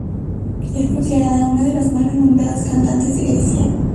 Es considerada una de las más renombradas cantantes de Grecia.